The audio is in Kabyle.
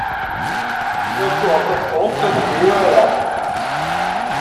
Nna Lǧuheṛ Tabetṛunt tella iḥemmel urar-a.